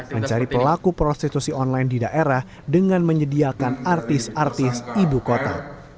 mencari pelaku prostitusi online di daerah dengan menyediakan artis artis ibu kota